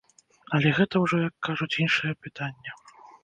Але гэта ўжо, як кажуць, іншае пытанне.